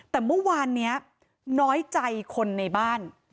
แต่เมื่อวานนี้น้อยใจคนในบ้าน